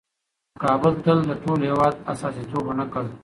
کابل تل د ټول هېواد استازیتوب ونه کړ.